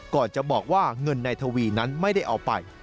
ก่อนจะบอกว่าเงินนายทวีนั้นไม่ได้เอาไป